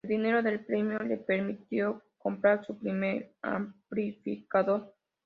El dinero del premio le permitió comprar su primer amplificador.